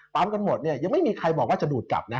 กันหมดเนี่ยยังไม่มีใครบอกว่าจะดูดกลับนะ